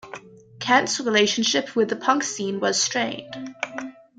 Kent's relationship with the punk scene was strained.